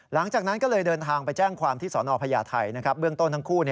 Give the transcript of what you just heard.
หลังจากนั้นก็เลยเดินทางไปแจ้งความที่สนพญาไทยเบื้องต้นทั้งคู่